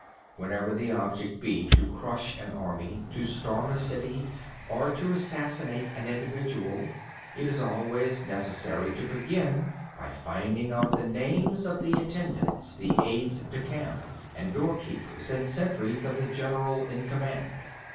20. Whether the object be to crush an army, to storm a city, or to assassinate an individual, it is always necessary to begin by finding out the names of the attendants, the aides de camp, the door keepers and sentries of the general in command.